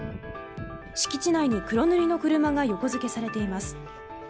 敷地内に黒塗りの車が横付けされています。